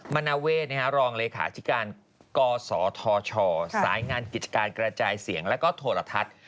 นาเวทรองเลขาธิการกศธชสายงานกิจการกระจายเสียงแล้วก็โทรทัศน์